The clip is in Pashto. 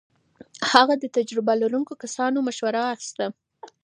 هغه د تجربه لرونکو کسانو مشوره اخيسته.